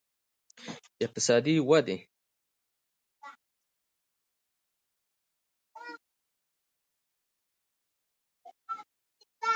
اقتصادي ودې